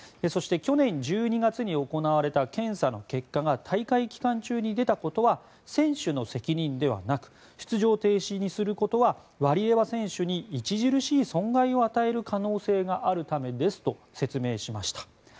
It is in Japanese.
そして、去年１２月に行われた検査の結果が大会期間中に出たことは選手の責任ではなく出場停止にすることはワリエワ選手に著しい損害を与える可能性があるためですと説明しました。